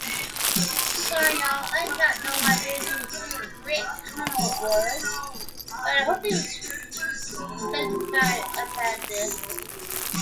The album was also the last studio appearance of guitarist Rick Hunolt.